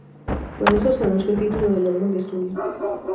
Con esto se anunció el título del álbum de estudio.